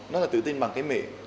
nó là tự tin bằng cái miệng